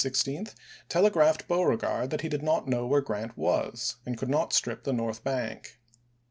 of the 16th telegraphed Beauregard that he did not know where Grant was, and could not strip the north bank.